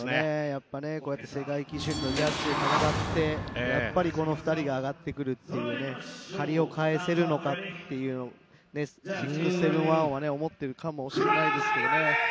やっぱこうやって世界基準のジャッジで戦ってやっぱりこの２人が上がってくるっていう、借りを返せるのかっていうふうに６７１は思っているかもしれないですけどもね。